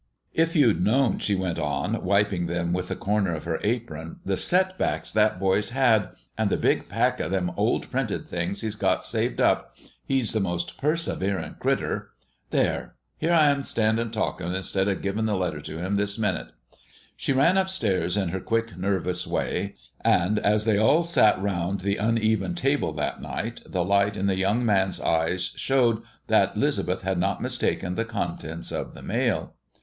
"If you'd known," she went on, wiping them with the corner of her apron, "the setbacks that boy's had, and the big pack of them old printed things he's got saved up he's the most perseverin' critter There! here 'm I standin' talkin', instead of givin' the letter to him this minute!" She ran up stairs in her quick, nervous way, and, as they all sat round the uneven table that night, the light in the young man's eyes showed that 'Lisbeth had not mistaken the contents of the mail.